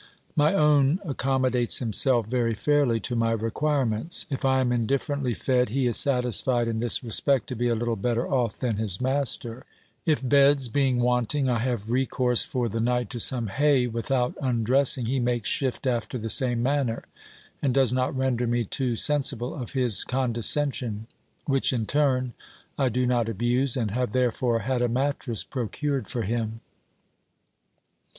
My own accommodates himself very fairly to my requirements. If I am indifferently fed, 290 OBERMANN he is satisfied in this respect to be a little better off than his master ; if, beds being wanting, I have recourse for the night to some hay without undressing, he makes shift after the same manner, and does not render me too sensible of his condescension, which, in turn, I do not abuse, and have therefore had a mattress procured for him.